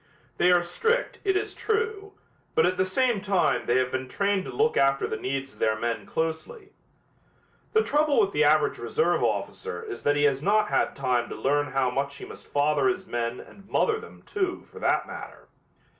They are strict, it is true, but at the same time they have been trained to look after the needs of their men closely. The trouble with the average reserve officer is that he has not had time to learn how much he must father his men and mother them, too, for that matter.